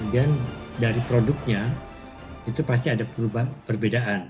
dan dari produknya itu pasti ada perubahan perbedaan